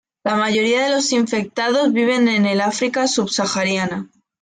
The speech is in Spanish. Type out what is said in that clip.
La mayoría de los infectados viven en el África subsahariana.